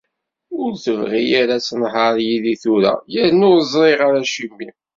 Ur tebɣi ara ad tehder yid-i tura, yerna ur ẓriɣ ara acimi.